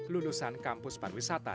lulusan kampus parwisata